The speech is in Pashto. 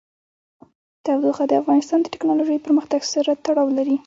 تودوخه د افغانستان د تکنالوژۍ پرمختګ سره تړاو لري.